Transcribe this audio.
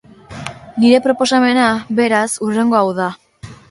Nire proposamena, beraz, hurrengo hau da.